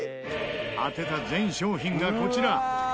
当てた全商品がこちら。